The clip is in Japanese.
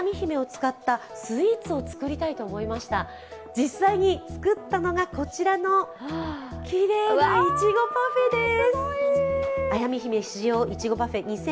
実際に作ったのがこちらのきれいないちごパフェです。